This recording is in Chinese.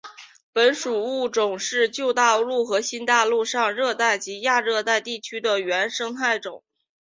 本属物种是旧大陆和新大陆上热带及亚热带地区的原生物种。